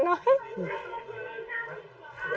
ดูคนไทยเหรอเด็กน้อย